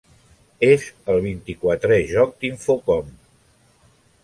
És el vint-i-quatrè joc d'Infocom.